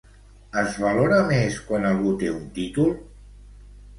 Es valora més quan algú té un títol?